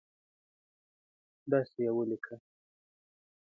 دسي یې ولیکه